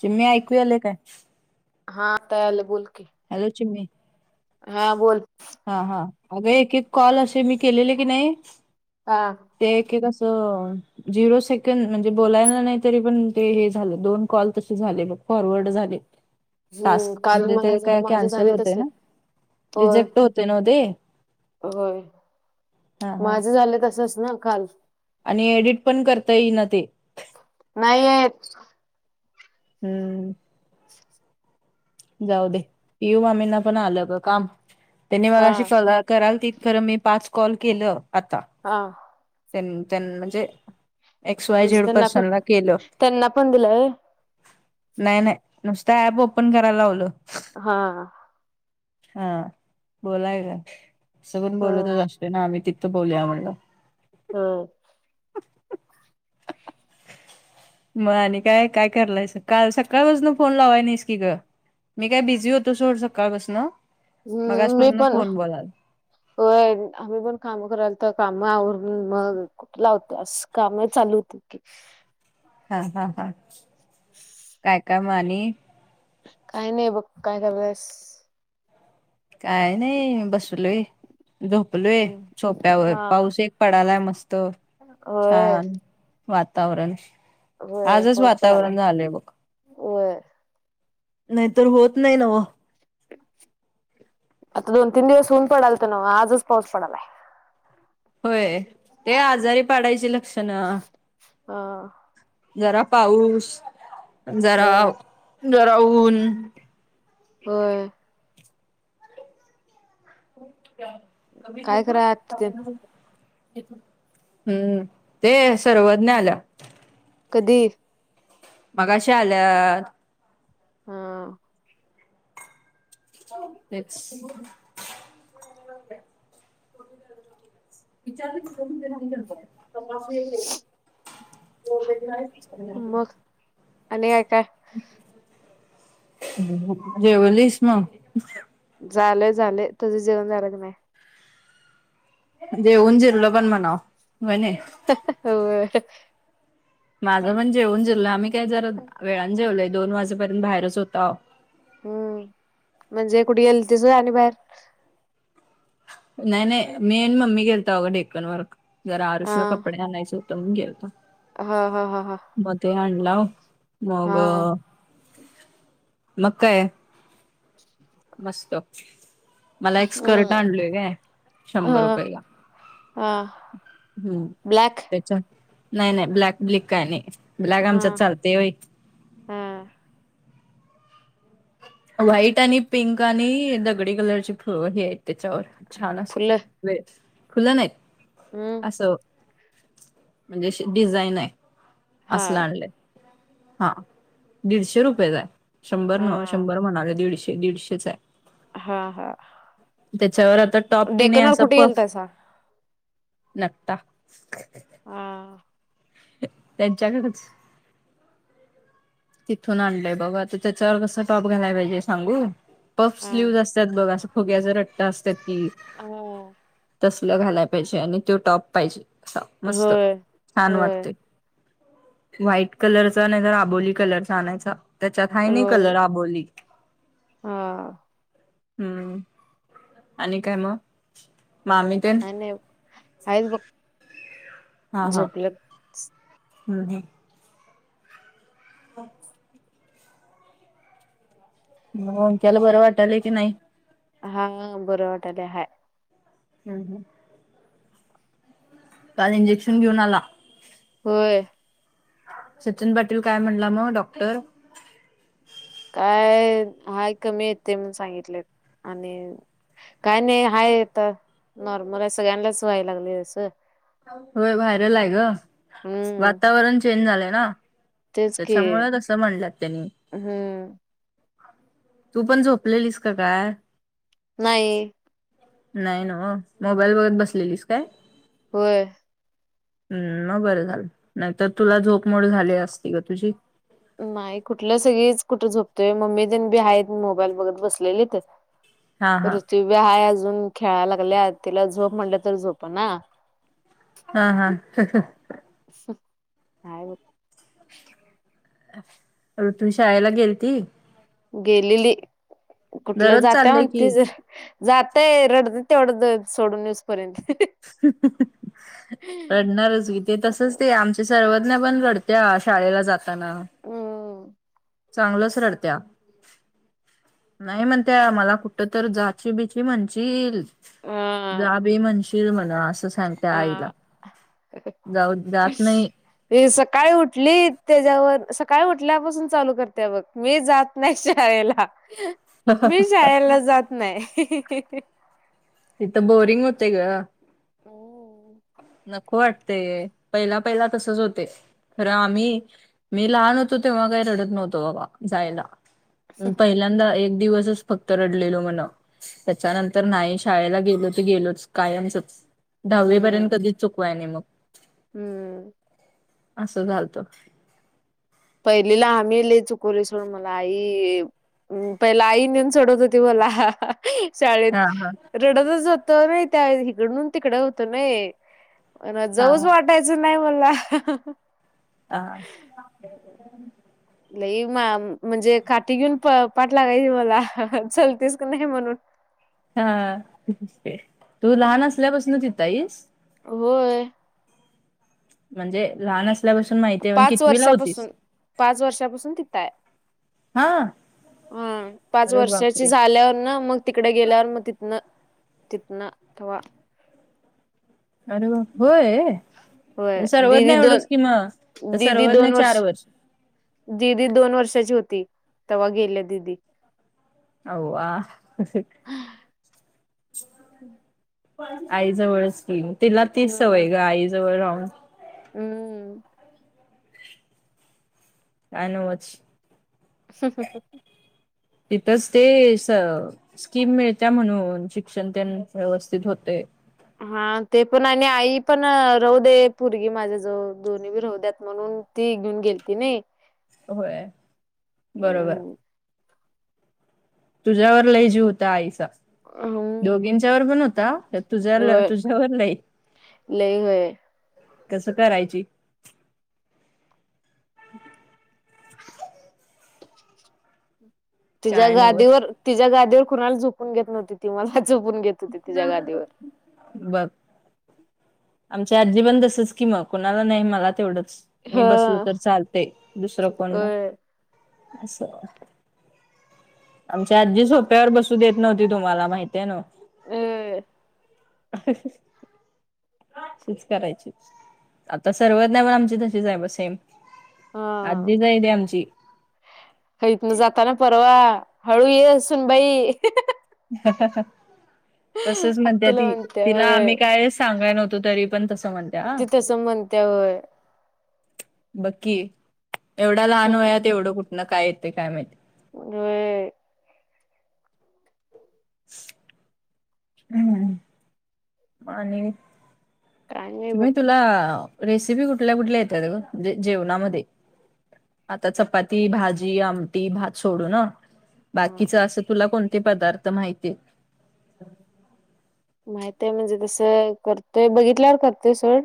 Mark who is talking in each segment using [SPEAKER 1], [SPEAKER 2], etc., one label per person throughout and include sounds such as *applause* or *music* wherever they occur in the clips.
[SPEAKER 1] चिमणी ऐकू यायलंय काय
[SPEAKER 2] हा आता यायले बोल की
[SPEAKER 1] हॅलो चिम्मी
[SPEAKER 2] हा बोल
[SPEAKER 1] हा हा अगं एक एक कॉल असे मी केलेले की नाही
[SPEAKER 2] हा
[SPEAKER 1] ते एकेक कसं झिरो सेकंड म्हणजे बोलायला नाही तरी पण ते हे झालं दोन कॉल तसे झाले मग फॉरवर्ड झाले *inaudible*
[SPEAKER 2] हम्म काल
[SPEAKER 1] म्हणजे
[SPEAKER 2] मला
[SPEAKER 1] ते
[SPEAKER 2] झालत
[SPEAKER 1] काय कॅन्सल होत ना रिजेक्ट होतंय नव्ह ते
[SPEAKER 2] होय
[SPEAKER 1] हा हा
[SPEAKER 2] माझं झालं तसच ना काल
[SPEAKER 1] आणि एडिट करता ईना ते
[SPEAKER 2] नाही येतं
[SPEAKER 1] हम्म जाऊ दे पियू मामींना पण आलं ग काम त्यांनी
[SPEAKER 2] हा
[SPEAKER 1] मगांशी सलग कराल तित खरं मी पाच कॉल केलं आता
[SPEAKER 2] हा
[SPEAKER 1] त्यांन त्यांनं म्हणजे एक्स वाय
[SPEAKER 2] म्हणजे
[SPEAKER 1] झेड
[SPEAKER 2] त्यांना पण
[SPEAKER 1] पर्सनला केलं
[SPEAKER 2] त्यांना पण दिलंय
[SPEAKER 1] नाही नाही नुसत ऍप ओपन करायला लावलं
[SPEAKER 2] हा
[SPEAKER 1] हा बोलाय का सगून
[SPEAKER 2] ह
[SPEAKER 1] बोलतचं असतोय ते नाहीआम्ही तिथं बोलूयां म्हणलं
[SPEAKER 2] हम
[SPEAKER 1] मग आणि काय काय कलायच काल सकाळ बजून फोन लावाय नाहीस की ग मी काय बिझी होतो सोड सकाळपासन मग
[SPEAKER 2] हम् मी
[SPEAKER 1] आजपासून
[SPEAKER 2] पण
[SPEAKER 1] फोन बोलाल
[SPEAKER 2] होय आम्ही पण काम करायल तर कामावरून मग लावते काम चालू होतीत की
[SPEAKER 1] हा हा हा काय काय मग आणि
[SPEAKER 2] काही नाही बघ काय झालंस
[SPEAKER 1] काय नाही बसलोय झोपलोय
[SPEAKER 2] हम्म
[SPEAKER 1] सोप्यावर
[SPEAKER 2] हा
[SPEAKER 1] पाऊस एक पडालाय मस्त
[SPEAKER 2] होय
[SPEAKER 1] छान वातावरण
[SPEAKER 2] होय
[SPEAKER 1] आजच
[SPEAKER 2] पाऊस
[SPEAKER 1] वातावरण
[SPEAKER 2] पडालाय
[SPEAKER 1] झालंय बघ
[SPEAKER 2] होय
[SPEAKER 1] नाही तर होत नाही नव्ह
[SPEAKER 2] आता दोन तीन दिवस होऊन पडल तर ना आजच पाऊस पडालाय
[SPEAKER 1] होय ते आजारी पाडायची लक्षण सन्ना
[SPEAKER 2] हा
[SPEAKER 1] जरा पाऊस जरा
[SPEAKER 2] होय
[SPEAKER 1] जरा ऊून
[SPEAKER 2] होय
[SPEAKER 1] कमीचं
[SPEAKER 2] काय
[SPEAKER 1] येतो
[SPEAKER 2] कराय आता ते
[SPEAKER 1] सपन बघ जा हम्म ते सर्वज्ञ आल्या.
[SPEAKER 2] कधी.
[SPEAKER 1] मगाशी आल्या.
[SPEAKER 2] हा.
[SPEAKER 1] तेच. विचारले घ त वग
[SPEAKER 2] मग आणि काय काय
[SPEAKER 1] *inaudible* जेवलीस मग
[SPEAKER 2] झालंय झालय तुझं जेवन झालं की नाही.
[SPEAKER 1] जेवण जिरलं पण म्हणाव बणे.
[SPEAKER 2] हो.
[SPEAKER 1] माझं पण जेवन जिरल आम्ही काय जरा वेळान जेवलोय दोन वाजेपर्यंत बाहेरच होतो आो.
[SPEAKER 2] हम म्हणजे कुठे गेलतीस व्हय आणि बाहेर.
[SPEAKER 1] नाही नाही मी आणि मम्मी घेलता अघं डेकन वर जरा
[SPEAKER 2] हा
[SPEAKER 1] आरुसला कपडे आणायच होत मग गेलतो.
[SPEAKER 2] हा हा हा हा.
[SPEAKER 1] म ते आणलाव मग
[SPEAKER 2] हा
[SPEAKER 1] मग काय. मस्त मला एक स्कर्ट
[SPEAKER 2] हम्म
[SPEAKER 1] आणलोय का शंभर
[SPEAKER 2] हा
[SPEAKER 1] रुपयाला.
[SPEAKER 2] हा
[SPEAKER 1] हम्म
[SPEAKER 2] ब्लॅक
[SPEAKER 1] त्याच्या. नाही नाही ब्लॅक ब्लिक काय नाही ब्लॅक
[SPEAKER 2] हा
[SPEAKER 1] आमच्या चालतय व्हय.
[SPEAKER 2] हा.
[SPEAKER 1] व्हाईट आणि पिंक आणि दगडी कलरची फ हे आहेत त्याच्यावर छान असं.
[SPEAKER 2] फुलं
[SPEAKER 1] खुलं नाही
[SPEAKER 2] हम्म
[SPEAKER 1] असं. म्हणजे डिझाईन आहे
[SPEAKER 2] हा
[SPEAKER 1] असलं आणलंय. हा दीडशे रुपये च आहे शंभर
[SPEAKER 2] हा
[SPEAKER 1] न. शंभर दीडशे दीडशेच आहे.
[SPEAKER 2] हा हा
[SPEAKER 1] त्याच्यावर आता टॉप की नाही
[SPEAKER 2] डेकनवर
[SPEAKER 1] असं
[SPEAKER 2] कुठे
[SPEAKER 1] पफ.
[SPEAKER 2] गेलतासा?
[SPEAKER 1] नक्ता.
[SPEAKER 2] ह.
[SPEAKER 1] त्यांच्याकडेच. तिथून आणलंय बघा तर त्याच्यावर कस टॉप घाला पाहिजे सांगू. पफ
[SPEAKER 2] हा
[SPEAKER 1] स्लीव्ह असतात बघ असं फुग्याचा रट्टा असतात कि.
[SPEAKER 2] हो
[SPEAKER 1] तसल घालाय पाहिजे आणि तो टॉप पाहिजे अस मस्त
[SPEAKER 2] होय
[SPEAKER 1] छान
[SPEAKER 2] होय
[SPEAKER 1] वाटते. व्हाईट कलरचा नाही तरर आबोली कलरचा आणायचा. त्याच्या हाय नाही
[SPEAKER 2] होय
[SPEAKER 1] कलर अबोली.
[SPEAKER 2] हा.
[SPEAKER 1] हम्म आणि काय मग. मामी तेन
[SPEAKER 2] काय नाही हाय बघ झोपलं.
[SPEAKER 1] हम् हम. हो. ओम त्याला बरं वाटालय की नाही.
[SPEAKER 2] हा बरं वाटले हाय.
[SPEAKER 1] हम् हम. काल इंजेक्शन घेऊन आला.
[SPEAKER 2] होय.
[SPEAKER 1] सचिन पाटील काय म्हणलं मग डॉक्टर.
[SPEAKER 2] काय हाय कमी येते मण सांगितले आणि. काय नाही हाय तर नॉर्मल असं सगळ्यांना व्हाय लागले तस.
[SPEAKER 1] होय वायरल आहे ग
[SPEAKER 2] हम्म
[SPEAKER 1] वातावरण चेंज झालंय ना.
[SPEAKER 2] तेच की
[SPEAKER 1] त्याच्यामुळंच असं म्हणलंत त्यांनी.
[SPEAKER 2] हम्म
[SPEAKER 1] तू पण झोपलेलीस का काय.
[SPEAKER 2] नाही.
[SPEAKER 1] नाही ना मोबाईल बघत बसलेलीस काय?
[SPEAKER 2] वय.
[SPEAKER 1] हम् म बरं झालं नाहीतर तुला झोप मोड झाली असती ग तुझी.
[SPEAKER 2] नाही कुठल्या सगळीच कुठं झोपतोय मम्मी जण बी आहेत मोबाईल बघत बसलेली तर.
[SPEAKER 1] हा हा
[SPEAKER 2] ऋथ्वीव्य हय अजून खेळायला लागले तिला झोप म्हणलं तर झोप ना.
[SPEAKER 1] हा हा हंंहं.
[SPEAKER 2] *unintelligible*
[SPEAKER 1] ऋतु शाळेला गेलती?
[SPEAKER 2] गेलेली कुठलं
[SPEAKER 1] दररोज
[SPEAKER 2] जाता
[SPEAKER 1] चाललंय की
[SPEAKER 2] म्हणतीज. जातय रडत तेवढं सोडून येउस्त. पर्यंत हंहं.
[SPEAKER 1] हं हं रडणारच वि ते तसंच ते आमच. ते सर्वज्ञ पण रडते हा शाळेला जाताना.
[SPEAKER 2] हो.
[SPEAKER 1] चांगलच रडत्या. नाही म्हणताय त्या मला कुठ तर जाची बिची म्हणशील.
[SPEAKER 2] अ
[SPEAKER 1] जा बी म्हणशील मला असं. सांगते आईला
[SPEAKER 2] अ
[SPEAKER 1] जाऊ जात नाही.
[SPEAKER 2] वे सकाळी उठली तेच्यावर सकाळी उठल्यापासून चालू करते बघ मी जात नाही शाळेला मी शाळेला जात नाही.
[SPEAKER 1] तिथ बोरिंग होते ग.
[SPEAKER 2] *inaudible*
[SPEAKER 1] नको वाटतंय पहिला पहिला तसंच होतेय. खरं आम्ही मी लहान होतो तेव्हा काही रडत नव्हतो बाबा जायला. मी पहिल्यांदा एक दिवसच फक्त रडलेलो म्हणव त्याच्यानंतर नाही. शाळेला गेलो तर गेलोच कायमचं दहावी पर्यंत कधी चुकवाय नाही मग.
[SPEAKER 2] हम्म.
[SPEAKER 1] असं झालत.
[SPEAKER 2] पहिलीला आम्हीचुकोलीसोडून मला आई. हम पहिल आई नेऊन सोडत होती मला हा.. हा.. शाळेत
[SPEAKER 1] हा हा
[SPEAKER 2] रडतच होतो आम्ही त्यावेळे इकडून तिकडून होतो ना हे. मला
[SPEAKER 1] हा
[SPEAKER 2] जाऊच वाटायचं नाही मला.
[SPEAKER 1] *unintelligible*
[SPEAKER 2] लई मा म्हणजे काठी घेऊन पाठलागयजे मला चलतेस का नाही म्हणून.
[SPEAKER 1] हा तू लहान असल्यापासूनचिताईस?
[SPEAKER 2] होय.
[SPEAKER 1] म्हणजे लहानस.
[SPEAKER 2] पाच वर्षापासून पाच वर्षापासून तिथंआय.
[SPEAKER 1] हा.
[SPEAKER 2] अ पाच
[SPEAKER 1] अरे
[SPEAKER 2] वर्षाची
[SPEAKER 1] बापरे!
[SPEAKER 2] झाल्यावर ना मग. तिकडे गेल्यावर मग तिथनं तिथनं तेव्हा.
[SPEAKER 1] अरे बा होय
[SPEAKER 2] होय
[SPEAKER 1] सर्वज्ञ
[SPEAKER 2] दिदी
[SPEAKER 1] एवढंच किमग
[SPEAKER 2] दोन दिदी दोन
[SPEAKER 1] सर्वज्ञचार वर्ष.
[SPEAKER 2] दिदी दोन वर्षांची होती तेव्हा गेल्या दिदी.
[SPEAKER 1] आव्वा. *inaudible* आईजवळच क्रीम तिला तीच
[SPEAKER 2] हम्म.
[SPEAKER 1] सवय ग आईजवळ राह.
[SPEAKER 2] हम्म.
[SPEAKER 1] काय नवच.
[SPEAKER 2] हं हं.
[SPEAKER 1] इंथस ते असं. स्कीम मिळत्या म्हणून शिक्षण त्यांच व्यवस्थित होतेय
[SPEAKER 2] हा ते पण आणि आई पण राहू दे पोरगी माझ्या जवळ दोन्हीभी राहू द्यात म्हणून ती घेऊन गेलंती नी
[SPEAKER 1] होय बरोबर
[SPEAKER 2] हम्म
[SPEAKER 1] तुझ्यावर लय जीव होता आईचा
[SPEAKER 2] अह म
[SPEAKER 1] दोघींच्या वर पण होता तुझ्या तुझ्यावर लई
[SPEAKER 2] लय होय
[SPEAKER 1] कसं करायची
[SPEAKER 2] तिच्या्या
[SPEAKER 1] काय नवच
[SPEAKER 2] गादीवर तिच्या गादीवर कुणाला झुपून घेत नव्हती ति मला झोपून घेत
[SPEAKER 1] इ
[SPEAKER 2] होती तिच्या गादीवर.
[SPEAKER 1] बघ आमच्या आजी पण तसच की म कोणाला नाही मला तेवढंच मी बसलो
[SPEAKER 2] हा
[SPEAKER 1] तर चालतेय दुसरं कोण नाही
[SPEAKER 2] होय
[SPEAKER 1] अस आमच्या आजी सोप्यावर बसू देत नव्हती तुम्हाला माहतीय आहे ना
[SPEAKER 2] ह
[SPEAKER 1] च करायची आता सर्वज्ञ पण आमची तशीच आहे ब सेम
[SPEAKER 2] हा
[SPEAKER 1] आजीच आहे ती आमची
[SPEAKER 2] ह इतन जाताना परवा हळू ये असून बाई
[SPEAKER 1] तसच म्हणते
[SPEAKER 2] आत्तीला
[SPEAKER 1] ती
[SPEAKER 2] म्हणत्या
[SPEAKER 1] तिला आम्ही
[SPEAKER 2] होय.
[SPEAKER 1] काय सांगाय नव्हतो तरी पंत समणत्या
[SPEAKER 2] ती तसं म्हणत्या होय.
[SPEAKER 1] बक्की एवढा लहानूयात एवढं कुठनं काय येते काय माहिितय
[SPEAKER 2] हो
[SPEAKER 1] *inaudible* हम्म माणी
[SPEAKER 2] काय नाही
[SPEAKER 1] कु
[SPEAKER 2] बघ
[SPEAKER 1] म तुला रेसिपी कुठल्या कुठल्या येत ग जेवणामध्ये आता चपाती भाजी आमटी भात सोडू ना
[SPEAKER 2] हा
[SPEAKER 1] बाकीच असं तुला कोणते पदार्थ माहिती
[SPEAKER 2] माहित आहे म्हणजे तसं करतोय बघितल्यावर करतोय सोड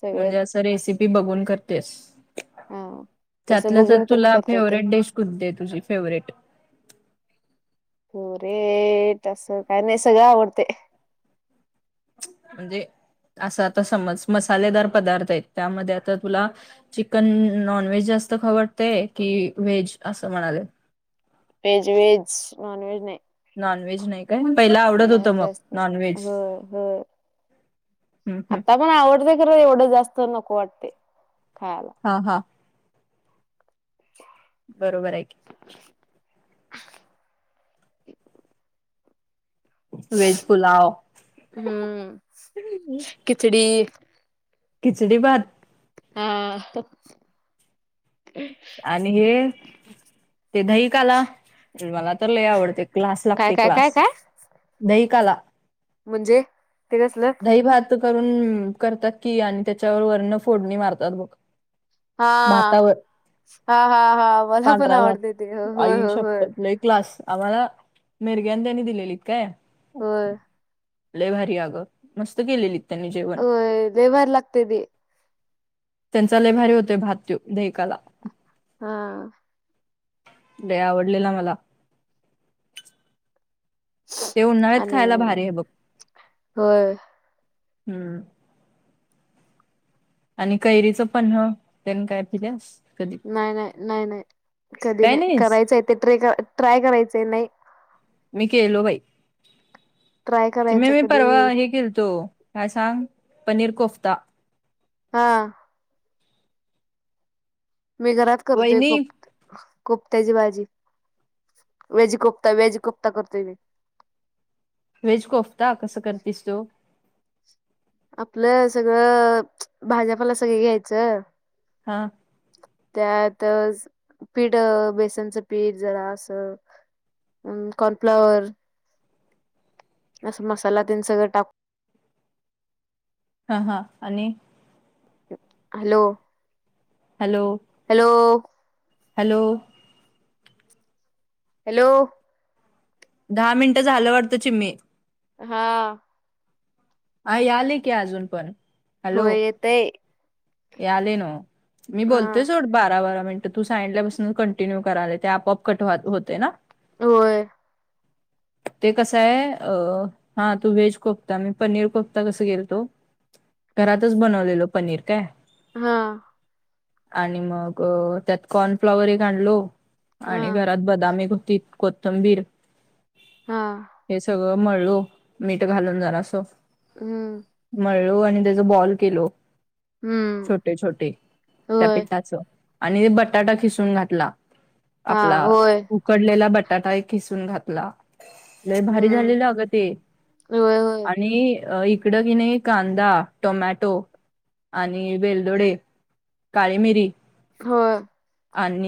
[SPEAKER 2] सगळं
[SPEAKER 1] म्हणजे असं रेसिपी बघून करतेस
[SPEAKER 2] हा तसं
[SPEAKER 1] त्यातलं तर
[SPEAKER 2] बघून पण
[SPEAKER 1] तुला
[SPEAKER 2] करता ते
[SPEAKER 1] फेवर्हेट डिश कुठती आहे तुझी फेवरेट
[SPEAKER 2] हो रेट अससं काय नाही सगळं आवडते
[SPEAKER 1] म्हणजे असं आता समज मसालेदार पदार्थ आहेत त्यामध्ये आता तुला चिकन नॉन व्हेज जास्त खवडते की व्हेज असं म्हणाले
[SPEAKER 2] वहेज वहेज नॉन व्हेज नाही
[SPEAKER 1] नॉन व्हेज नाही का पहिला आवडत होत
[SPEAKER 2] नाही
[SPEAKER 1] मग
[SPEAKER 2] जास्त
[SPEAKER 1] नॉन व्हेज
[SPEAKER 2] हो
[SPEAKER 1] ह ह्
[SPEAKER 2] मण आवडते खरं एवढं जास्त नको वाटते खायला
[SPEAKER 1] हा हा
[SPEAKER 2] अ
[SPEAKER 1] बरोबर आहे की
[SPEAKER 2] *inaudible*
[SPEAKER 1] वेज पुलाव
[SPEAKER 2] हम्म खिचडी
[SPEAKER 1] खिचडी भात
[SPEAKER 2] हा
[SPEAKER 1] आणि हे ते दहीिक आला मला तर लय आवडते क्लास
[SPEAKER 2] काय
[SPEAKER 1] लागते
[SPEAKER 2] काय काय
[SPEAKER 1] क्लास
[SPEAKER 2] काय
[SPEAKER 1] दहिकला
[SPEAKER 2] म्हणजे ते कसलं
[SPEAKER 1] का भात करून करतात की आणि त्याच्यावर वर्ण फोडणी मारतात बघ
[SPEAKER 2] हा
[SPEAKER 1] भातावर
[SPEAKER 2] हा हा हा मला पण
[SPEAKER 1] पांढरा
[SPEAKER 2] आवडते ते हो
[SPEAKER 1] भात
[SPEAKER 2] हो
[SPEAKER 1] आई
[SPEAKER 2] होय
[SPEAKER 1] शपथ लय क्लास आम्हाला मेरग्यांदनी दिलेलीत काय
[SPEAKER 2] हो
[SPEAKER 1] लय भारी अगं मस्त केलेली
[SPEAKER 2] हो देे बर लागतदी.
[SPEAKER 1] त्यांचा लेभारी होते भात्यू देकाला
[SPEAKER 2] हा
[SPEAKER 1] लय आवडलेला मला ते उन्हाळ्यात
[SPEAKER 2] आणि
[SPEAKER 1] खायला भारी आहे बघ
[SPEAKER 2] होय
[SPEAKER 1] हम्म आणि कैरीचं पन्ह तेन काय पिल्यास कधी
[SPEAKER 2] नाही नाही नाही नाही कधी
[SPEAKER 1] काय
[SPEAKER 2] नाही
[SPEAKER 1] नाहीस
[SPEAKER 2] करायचं आहे ते ट्र ट्राय करायचं आहे नाही
[SPEAKER 1] मी केलो बाई
[SPEAKER 2] ट्राय करायचं
[SPEAKER 1] मी
[SPEAKER 2] कधी
[SPEAKER 1] परवा हे केलतो काय सांग पनीर कोफ्ता
[SPEAKER 2] हा मी घरात करतेय
[SPEAKER 1] वहिनी
[SPEAKER 2] कोप कोफत्याची भाजी वेज कोफ्ता वेज कोफ्ता करतोय मी
[SPEAKER 1] वेज कोफ्ता कसं करतीस तु
[SPEAKER 2] आपलं सगळं भाजपाला सगळ घ्यायचं
[SPEAKER 1] हा
[SPEAKER 2] त्यात पीठ बेसनचं पीठ जरा अस. हम्म कॉर्नफ्लॉवर. असं मसाला तेन सगळं टाक.
[SPEAKER 1] हा हा आणि
[SPEAKER 2] hello.
[SPEAKER 1] Hello.
[SPEAKER 2] Hello
[SPEAKER 1] hello
[SPEAKER 2] hello
[SPEAKER 1] दहा मिनटं झालं वाटतं गं चिम्मे
[SPEAKER 2] हा
[SPEAKER 1] यायलय की अजून पण
[SPEAKER 2] होय येतय
[SPEAKER 1] यायलय नव्ह मी
[SPEAKER 2] हा
[SPEAKER 1] बोलतोय सोड बारा बारा मिनिटं तू सांगितल्यापासून कंटिन्यू करालय ते आप आप कट होतय ना
[SPEAKER 2] होय
[SPEAKER 1] *inaudible* ते कसं आहे अ हा तू व्हेज कोफता मी पनीर कोफता कस गेल तो घरातच बनवलेलो पनीर काय
[SPEAKER 2] हा
[SPEAKER 1] आणि मग त्यात कॉर्नफ्लाॉवर एक आणलो आणि
[SPEAKER 2] हां,
[SPEAKER 1] घरात बदाम एक हुतीत कोथंबीर
[SPEAKER 2] हां.
[SPEAKER 1] हे सगळं मळलो मीठ घालून जरास
[SPEAKER 2] हम्म
[SPEAKER 1] मळलो आणि त्याचा बॉल केलो
[SPEAKER 2] हं.
[SPEAKER 1] छोटे छोटे त्या
[SPEAKER 2] होय.
[SPEAKER 1] पिठाच आणि बटाटा खिसून घातला
[SPEAKER 2] हां,
[SPEAKER 1] आपला
[SPEAKER 2] होय.
[SPEAKER 1] उकडलेला बटाटा एक खिसून घातला लय भारी
[SPEAKER 2] हं.
[SPEAKER 1] झालेलं अगं ते
[SPEAKER 2] होय, होय.
[SPEAKER 1] आणि तिकडं कणी कांदा, टोमॅटो वेलदोडे काळी मिरी
[SPEAKER 2] होय
[SPEAKER 1] आणि